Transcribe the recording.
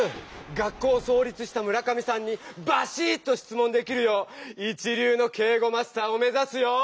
学校をそう立した村上さんにバシッとしつもんできるよう一りゅうの敬語マスターをめざすよ！